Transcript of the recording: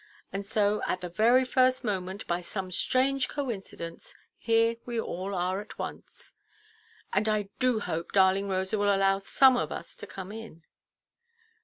And so, at the very first moment, by some strange coincidence, here we are all at once. And I do hope darling Rosa will allow some of us to come in."